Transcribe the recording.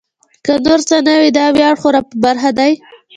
که نور څه نه وي دا ویاړ خو را په برخه دی.